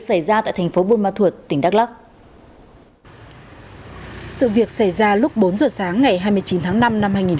sự việc xảy ra lúc bốn giờ sáng ngày hai mươi chín tháng năm năm hai nghìn một mươi sáu